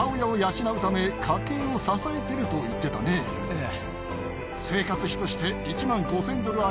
ええ。